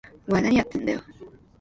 お前、なにやってんだよ！？